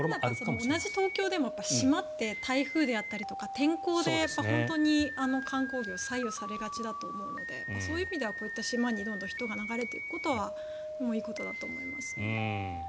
同じ東京でも島って台風であったりとか天候で本当に観光業左右されがちだと思うのでそういう意味ではこういった島に人が流れていくのはいいことだと思います。